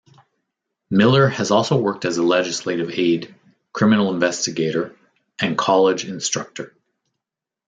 Miller has also worked as a legislative aide, criminal investigator, and college instructor.